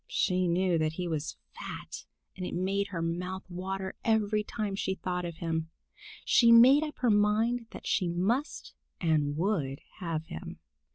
She knew that he was fat, and it made her mouth water every time she thought of him. She made up her mind that she must and would have him.